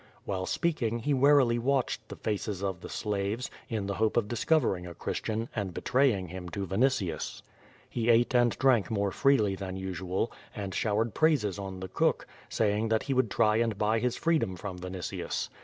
While speaking, he warily I50 Q^O VADI8, watched the faces of the slaves, in the hope of discovering a Christian, and betraying him to Vinitius. He ate and drank more freely than usual, and showered praises on the cook, saying that he would try and buy his freedom from Vinitius.